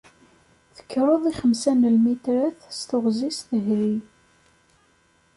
Tekkreḍ i xemsa n lmitrat s teɣzi s tehri.